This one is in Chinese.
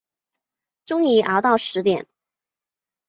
终于熬到十点